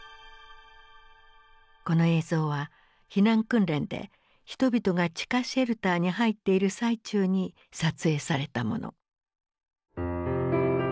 この映像は避難訓練で人々が地下シェルターに入っている最中に撮影されたもの。